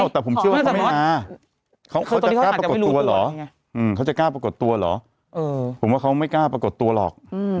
คนผมจะมีเยอะมาก